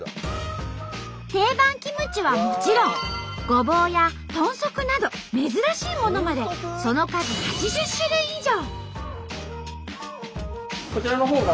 定番キムチはもちろんごぼうや豚足など珍しいものまでその数８０種類以上！